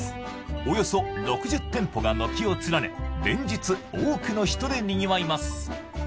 およそ６０店舗が軒を連ね連日多くの人でにぎわいます